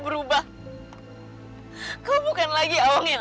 selamat tinggal nirlang